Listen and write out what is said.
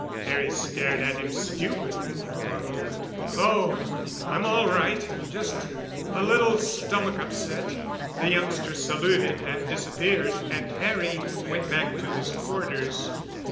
Harry stared at him stupidly for a moment. "Oh, I'm all right—just—er—a little stomach upset——" The youngster saluted and disappeared and Harry went back to his quarters.